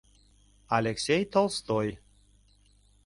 Алексей Толстой.